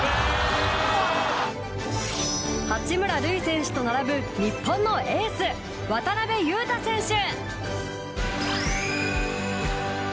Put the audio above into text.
八村塁選手と並ぶ日本のエース渡邊雄太選手！